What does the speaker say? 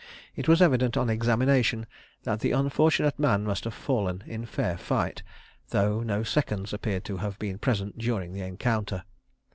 It was evident on examination that the unfortunate man must have fallen in fair fight, though no seconds appear to have been present during the encounter.